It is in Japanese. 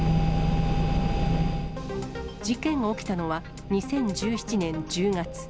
事件が起きたのは２０１７年１０月。